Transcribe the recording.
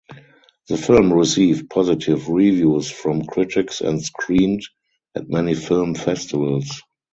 The film received positive reviews from critics and screened at many film festivals.